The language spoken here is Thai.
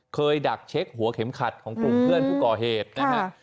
ดักเช็คหัวเข็มขัดของกลุ่มเพื่อนผู้ก่อเหตุนะฮะ